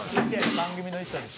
番組の衣装です。